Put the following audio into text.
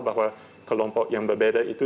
bahwa kelompok yang berbeda itu